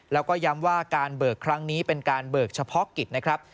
แล้วก็ย้ำว่าการเบิกครั้งนี้เป็นการเบิกเฉพาะกิจนะครับ